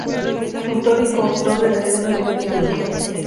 Autor y coautor de decenas de canciones.